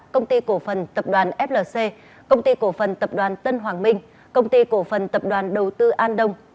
công ty cổ phần tập đoàn flc công ty cổ phần tập đoàn tân hoàng minh công ty cổ phần tập đoàn đầu tư an đông